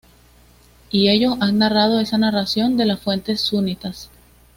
Y ellos han narrado esa narración de las fuentes sunitas.